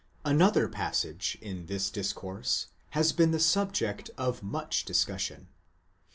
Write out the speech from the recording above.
9 Another passage in this discourse has been the subject of much discussion.